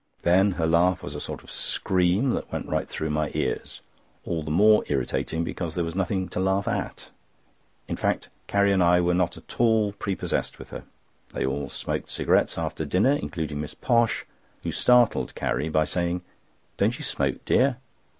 Then her laugh was a sort of a scream that went right through my ears, all the more irritating because there was nothing to laugh at. In fact, Carrie and I were not at all prepossessed with her. They all smoked cigarettes after dinner, including Miss Posh, who startled Carrie by saying: "Don't you smoke, dear?"